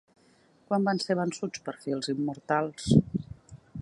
Quan van ser vençuts per fi els Immortals?